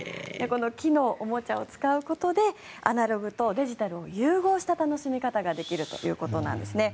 この木のおもちゃを使うことでアナログとデジタルを融合した楽しみ方ができるということなんですね。